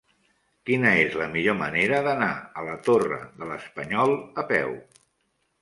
Quina és la millor manera d'anar a la Torre de l'Espanyol a peu?